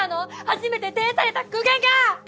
初めて呈された苦言が！